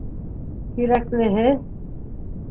Тирәклеһе.